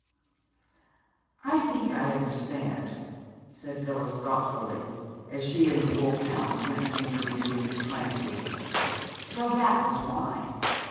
"I think I understand," said Phyllis thoughtfully, as she and the wolfhound went to interview Mrs. Clancy. So that was why!